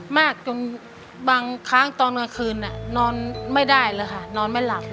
มากจนบางครั้งตอนกลางคืนนอนไม่ได้เลยค่ะนอนไม่หลับ